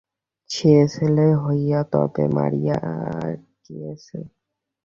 সে ছেলে হইয়া তবে মরিয়া গিয়াছে?